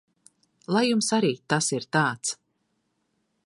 Lai jums arī tas ir tāds!